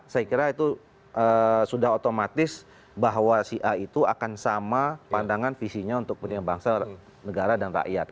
saya kira itu sudah otomatis bahwa si a itu akan sama pandangan visinya untuk kepentingan bangsa negara dan rakyat